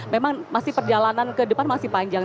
memang masih perjalanan ke depan masih panjang